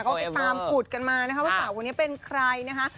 ก็ไปตามขุดกันมานะคะว่าสาวคนนี้เป็นใครนะคะ